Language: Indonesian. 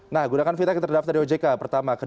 nah gunakan fintech yang terdaftar di ojk pertama